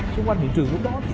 xung quanh thị trường lúc đó